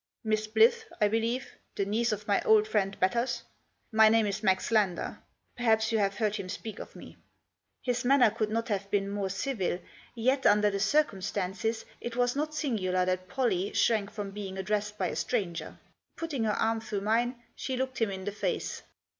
" Miss Blyth, I believe, the niece of my old friend Batters. My name is Max Lander. Perhaps you have heard him speak of me." His manner could not have been more civil. Yet, under the circumstances, it was not singular that Pollie 78 THE JOSS. shrank from being addressed by a stranger. Putting her arm through mine, she looked him in the face.